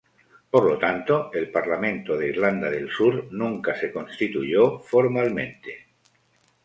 Por lo tanto, el Parlamento de Irlanda del Sur nunca se constituyó formalmente.